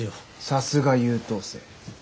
さすが優等生。